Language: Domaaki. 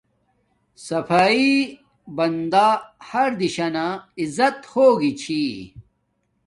صفایݵ بندݵ ہر دشانی عزت ہوگی چھی